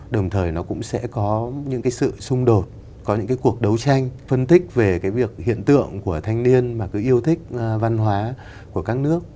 đồng thời nó cũng sẽ có những cái sự xung đột có những cái cuộc đấu tranh phân tích về cái việc hiện tượng của thanh niên mà cứ yêu thích văn hóa của các nước